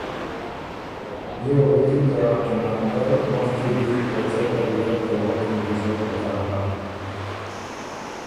بيې وه غوېکِن که ته ناندر مُخکي دی په څه طریقه ته وک نیکیزؤ پکر هۀ